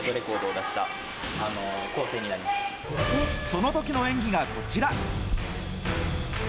その時の演技がこちら。